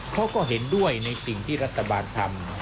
เขาก็เห็นด้วยในสิ่งที่รัฐบาลทำ